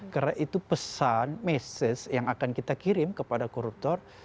karena itu pesan mesej yang akan kita kirim kepada koruptor